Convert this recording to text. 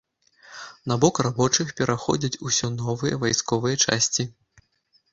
На бок рабочых пераходзяць усё новыя вайсковыя часці.